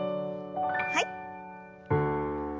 はい。